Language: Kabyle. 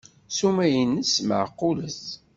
Ssuma-nnes meɛqulet.